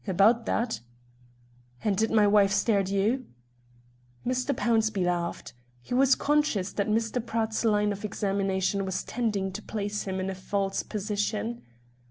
"About that." "And did my wife stare at you?" Mr. Pownceby laughed. He was conscious that Mr. Pratt's line of examination was tending to place him in a false position.